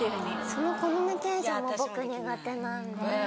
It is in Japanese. そのコミュニケーションも僕苦手なんで。